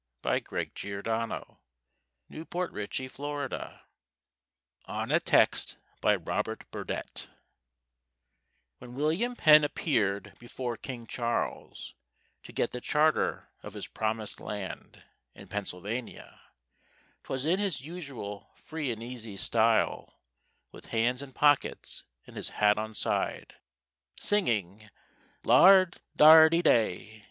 And dat's de reason wy I marries her." PENN ON A TEXT BY ROBERT BURDETTE When William Penn appeared before King Charles To get the charter of his Promised Land In Pennsylvaniá, 'Twas in his usual free and easy style, With hands in pockets and his hat on side— Singing Lard dardy day!